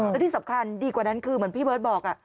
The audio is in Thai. และที่สำคัญดีกว่านั้นคือเหมือนพี่เบิร์ตบอก